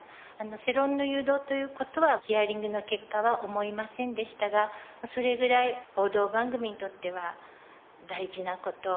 世論の誘導という事はヒアリングの結果は思いませんでしたがそれぐらい報道番組にとっては大事な事。